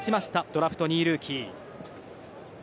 ドラフト２位ルーキー。